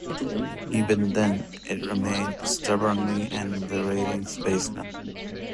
Even then, it remained stubbornly in the ratings basement.